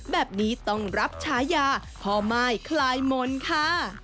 แบบนี้ต้องรับฉายาพ่อม่ายคลายมนต์ค่ะ